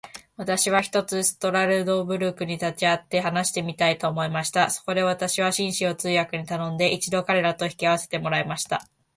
私は、ひとつストラルドブラグたちに会って話してみたいと思いました。そこで私は、紳士を通訳に頼んで、一度彼等と引き合せてもらいました。